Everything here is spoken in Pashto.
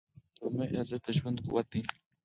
د امید ارزښت د ژوند قوت دی.